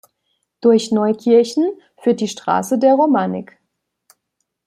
Durch Neukirchen führt die Straße der Romanik.